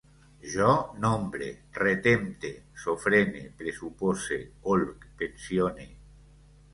Jo nombre, retempte, sofrene, pressupose, olc, pensione